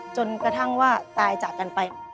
จนกระทั่งว่าตายจากกันไป